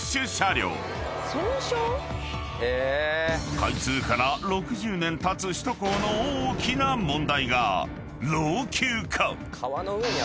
［開通から６０年たつ首都高の大きな問題が］